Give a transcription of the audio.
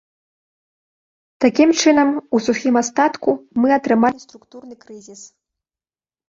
Такім чынам, у сухім астатку мы атрымалі структурны крызіс.